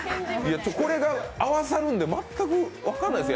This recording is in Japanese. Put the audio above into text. これが合わさるんで全く分からないですよ。